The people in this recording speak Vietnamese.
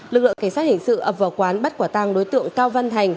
lực lượng cảnh sát hình sự ập vào quán bắt quả tăng đối tượng cao văn thành